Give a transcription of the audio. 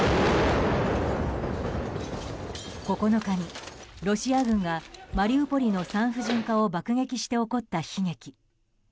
９日にロシア軍がマリウポリの産婦人科を爆撃して起こった悲劇。